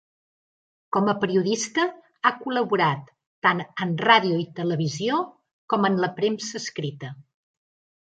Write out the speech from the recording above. Com a periodista ha col·laborat tant en ràdio i televisió com en la premsa escrita.